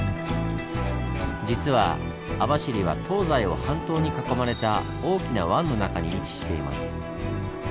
実は網走は東西を半島に囲まれた大きな湾の中に位置しています。